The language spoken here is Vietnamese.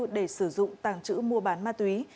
để sử dụng tàng trữ mua bán ma túy